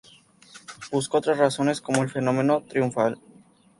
busca otras razones como el fenómeno triunfal